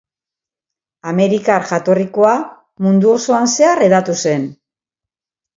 Amerikar jatorrikoa, mundu osoan zehar hedatu zen.